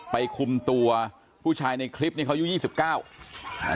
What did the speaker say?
คุมตัวผู้ชายในคลิปนี้เขาอายุยี่สิบเก้าอ่า